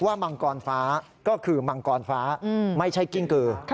มังกรฟ้าก็คือมังกรฟ้าไม่ใช่กิ้งกือ